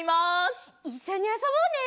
いっしょにあそぼうね！